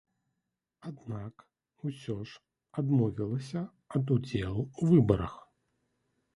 Аднак усё ж адмовілася ад удзелу ў выбарах.